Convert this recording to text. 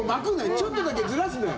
ちょっとだけずらすのよ。